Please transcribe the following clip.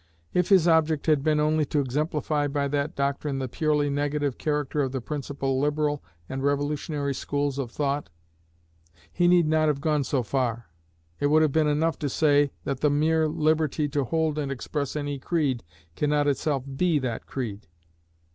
If his object had only been to exemplify by that doctrine the purely negative character of the principal liberal and revolutionary schools of thought, he need not have gone so far: it would have been enough to say, that the mere liberty to hold and express any creed, cannot itself be that creed.